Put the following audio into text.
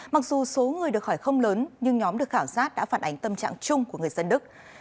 mặc dù số người được hỏi không lớn nhưng nhóm được khảo sát đã phản ánh tâm trạng chung của người dân đức